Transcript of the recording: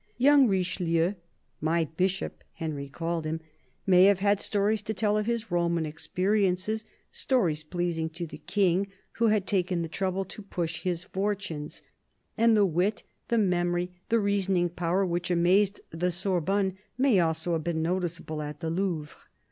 Young Richeheu— " My Bishop," Henry called him— may have had stories to tell of his Roman experiences, stories pleasing to the King, who had taken the trouble to push his fortunes; and the wit, the memory, the reasoning power, which amazed the Sorbonne, may also have been noticeable at the Louvre.